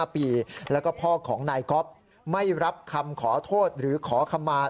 ๕ปีแล้วก็พ่อของนายก๊อฟไม่รับคำขอโทษหรือขอขมา